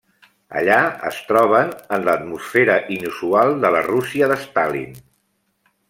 Allà es troben en l'atmosfera inusual de la Rússia de Stalin.